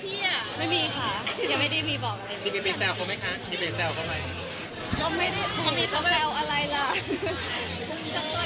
แต่เค้าได้แพลนเรื่องเดี๋ยวแล้วอย่างนี้เพราะสองปีเลย